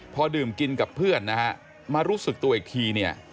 พอดื่มกินกับเพื่อนนะฮะมารู้สึกตัวอีกทีเนี่ย